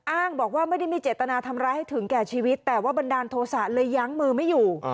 อ้างบอกว่าไม่ได้มีเจตนาทำร้ายให้ถึงแก่ชีวิตแต่ว่าบันดาลโทษะเลยยั้งมือไม่อยู่